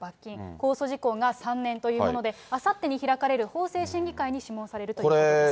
公訴時効が３年というもので、あさってに開かれる法制審議会に諮問されるということです。